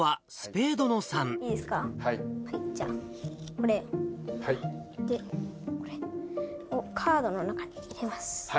これで、これをカードの中に入れます。